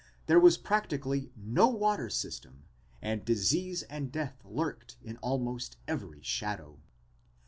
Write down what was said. There was practically no water system and disease and death lurked in almost every shadow.